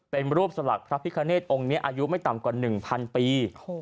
เป็นรูปสลักพระพิคเนธองค์นี้อายุไม่ต่ำกว่า๑๐๐ปี